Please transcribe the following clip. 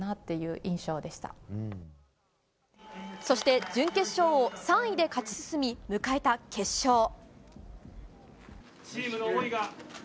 そして準決勝を３位で勝ち進み迎えた決勝。